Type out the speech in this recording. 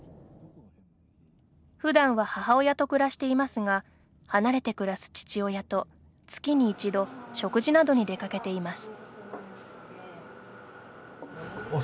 ふだんは母親と暮らしていますが離れて暮らす父親と、月に一度食事などに出かけています。